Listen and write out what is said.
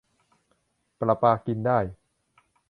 ประปากินได้